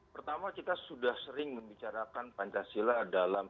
pertama kita sudah sering membicarakan pancasila dalam